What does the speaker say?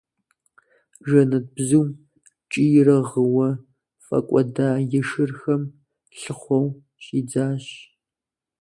Жэнэтбзум, кӏийрэ гъыуэ, фӏэкӏуэда и шырхэм лъыхъуэу щӏидзащ.